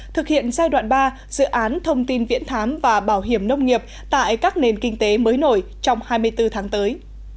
thực hiện giai đoạn ba dự án thông tin viễn thám và bảo hiểm nông nghiệp tại các nền kinh tế mới nổi trong hai mươi bốn tháng tới